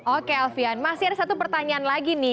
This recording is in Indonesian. oke alfian masih ada satu pertanyaan lagi nih